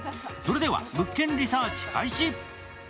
それでは「物件リサーチ」開始！